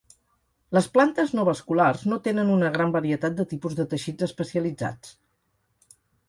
Les plantes no vasculars no tenen una gran varietat de tipus de teixits especialitzats.